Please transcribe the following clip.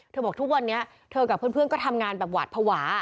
บอกทุกวันนี้เธอกับเพื่อนก็ทำงานแบบหวาดภาวะ